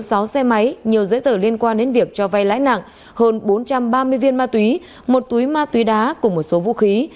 các đối tượng đã đặt xe máy nhiều giấy tờ liên quan đến việc cho vay lãi nặng hơn bốn trăm ba mươi viên ma túy một túy ma túy đá cùng một số vũ khí